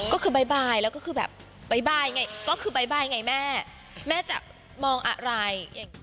ก็คือบ๊ายบายแล้วก็คือแบบบ๊ายบายไงแม่จะมองอะไร